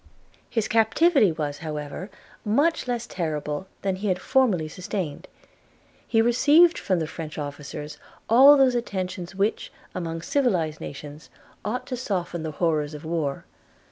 His captivity was, however, much less terrible than that he had formerly sustained. He received from the French officers all those attentions which, among civilized nations, ought to soften the horrors of war.